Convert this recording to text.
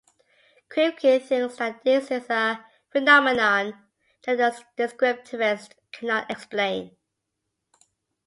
Kripke thinks that this is a phenomenon that the descriptivist cannot explain.